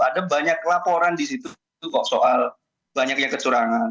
ada banyak laporan di situ kok soal banyaknya kecurangan